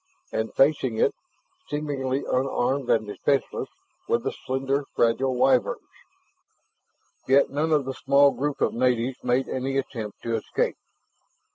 And facing it, seemingly unarmed and defenseless, were the slender, fragile Wyverns. Yet none of the small group of natives made any attempt to escape.